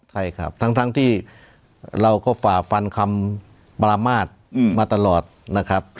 ใช่ครับทั้งที่เราก็ฝ่าฟันคำประมาทมาตลอดนะครับ